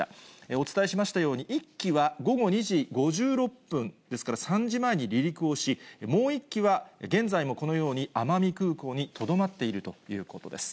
お伝えしましたように、１機は、午後２時５６分、ですから３時前に離陸をし、もう１機は現在もこのように奄美空港にとどまっているということです。